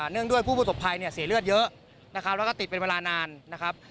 งด้วยผู้ประสบภัยเนี่ยเสียเลือดเยอะนะครับแล้วก็ติดเป็นเวลานานนะครับ